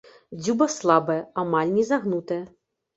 Дзюба слабая, амаль не загнутая.